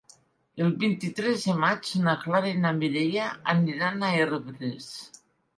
El vint-i-tres de maig na Clara i na Mireia aniran a Herbers.